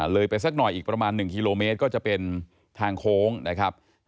ไปสักหน่อยอีกประมาณ๑กิโลเมตรก็จะเป็นทางโค้งนะครับ